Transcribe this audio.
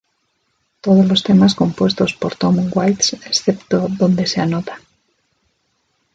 Todas los temas compuestos por Tom Waits excepto donde se anota.